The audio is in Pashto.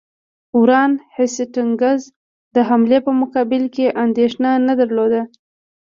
وارن هیسټینګز د حملې په مقابل کې اندېښنه نه درلوده.